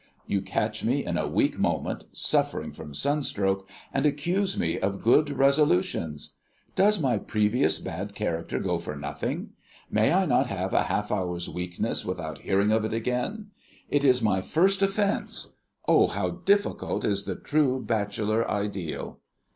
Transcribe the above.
You catch me in a weak moment, suffering from sunstroke, and accuse me of good resolutions. Does my previous bad character go for nothing? May I not have a half hour's weakness without hearing of it again? It is my first offence. Oh, how difficult is the true Bachelor Ideal!"